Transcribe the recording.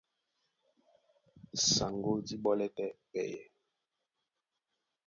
Saŋgó dí ɓɔ́lɛ́ tɛ́ pɛyɛ,